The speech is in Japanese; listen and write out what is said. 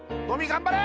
・頑張れ！